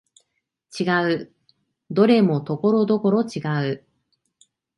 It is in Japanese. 違う、どれもところどころ違う